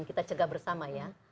kita harus menjaga bersama ya